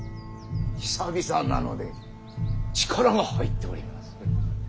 久々なので力が入っております。